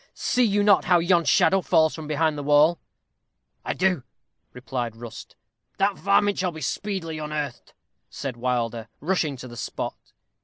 See you not how yon shadow falls from behind the wall?" "I do," replied Rust. "The varmint shall be speedily unearthed," said Wilder, rushing to the spot.